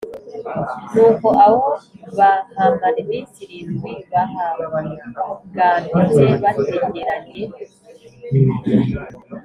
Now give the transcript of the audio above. Nuko aho bahamara iminsi irindwi bahaganditse bategeranye